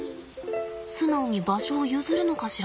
素直に場所を譲るのかしら。